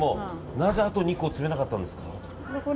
なぜあと２個詰めなかったんですか？